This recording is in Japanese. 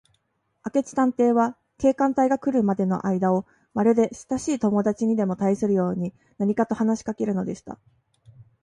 明智探偵は、警官隊が来るまでのあいだを、まるでしたしい友だちにでもたいするように、何かと話しかけるのでした。